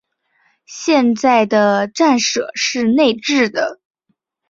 现在的站舍是内置的。